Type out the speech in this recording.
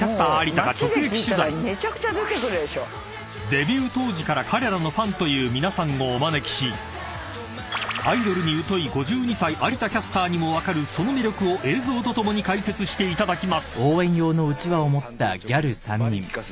［デビュー当時から彼らのファンという皆さんをお招きしアイドルに疎い５２歳有田キャスターにも分かるその魅力を映像と共に解説していただきます］